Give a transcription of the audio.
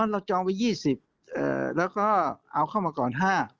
อ๋อเราจองไว้๒๐แล้วก็เอาเข้ามาก่อน๕